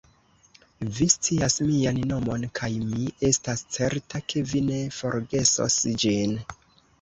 Vi scias mian nomon, kaj mi estas certa, ke vi ne forgesos ĝin.